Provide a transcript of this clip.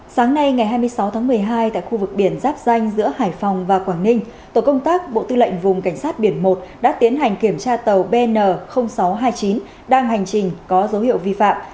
sáng nay ngày hai mươi sáu tháng một mươi hai tại khu vực biển giáp danh giữa hải phòng và quảng ninh tổ công tác bộ tư lệnh vùng cảnh sát biển một đã tiến hành kiểm tra tàu bn sáu trăm hai mươi chín đang hành trình có dấu hiệu vi phạm